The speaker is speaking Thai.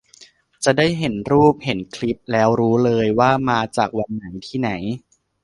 จะได้เห็นรูปเห็นคลิปแล้วรู้เลย ว่ามาจากวันไหน ที่ไหน